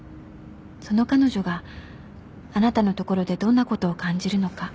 その彼女があなたの所でどんなことを感じるのか」